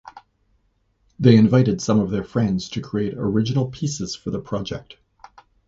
They invited some of their friends to create original pieces for the project.